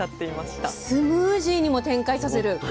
スムージーにも展開させる。